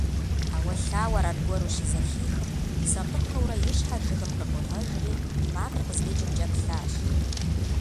Ӏэуэлъауэр аргуэру щызэхихым, сакъыпэурэ и щхьэр жыгым къыкъуигъэжри макъыр къыздикӏымкӏэ плъащ.